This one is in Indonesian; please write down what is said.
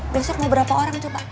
besok mau berapa orang coba